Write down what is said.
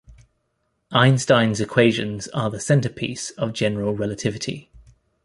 Einstein's equations are the centerpiece of general relativity.